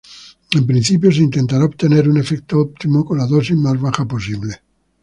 En principio se intentará obtener un efecto óptimo con la dosis más baja posible.